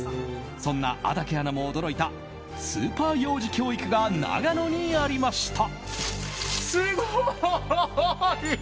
そんな安宅アナも驚いたスーパー幼児教育が長野にありました。